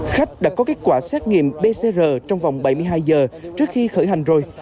khách đã có kết quả xét nghiệm pcr trong vòng bảy mươi hai giờ trước khi khởi hành rồi